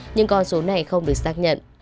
nhưng con số này không được xác nhận